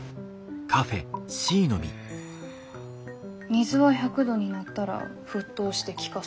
水は１００度になったら沸騰して気化する。